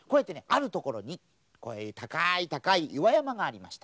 あるところにこういうたかいたかいいわやまがありました。